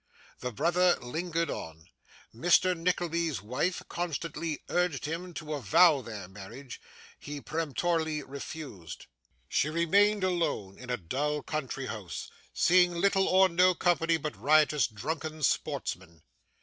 The brother lingered on; Mr. Nickleby's wife constantly urged him to avow their marriage; he peremptorily refused. She remained alone in a dull country house: seeing little or no company but riotous, drunken sportsmen.